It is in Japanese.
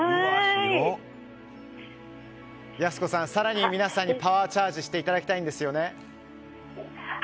泰湖さん、更に皆さんにパワーチャージしていただきたいんですよね。